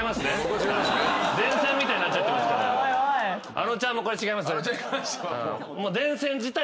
あのちゃんもこれ違います。